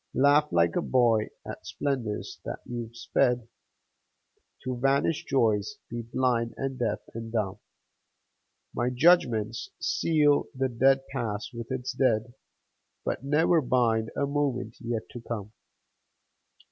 Laugh like a boy at splendors that have sped, To vanished joys be blind and deaf and dumb; My judgments seal the dead past with its dead, But never bind a moment yet to come.